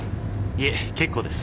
いえ結構です。